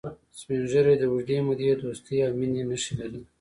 سپین ږیری د اوږدې مودې دوستی او مینې نښې لري